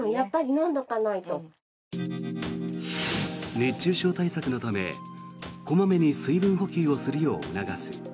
熱中症対策のため小まめに水分補給をするよう促す。